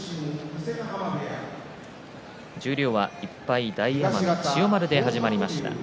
十両は１敗が大奄美千代丸で始まりました。